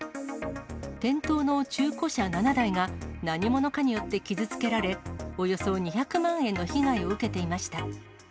店頭の中古車７台が、何者かによって傷つけられ、およそ２００万円の被害を受けていました。